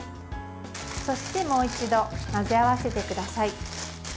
そして、もう一度混ぜ合わせてください。